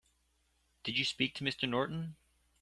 Did you speak to Mr. Norton?